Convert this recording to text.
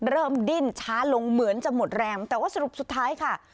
ดิ้นช้าลงเหมือนจะหมดแรงแต่ว่าสรุปสุดท้ายค่ะ